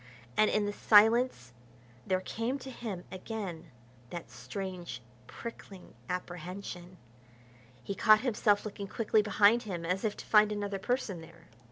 And in the silence there came to him again that strange, prickling apprehension. He caught himself looking quickly behind him as if to find another person there.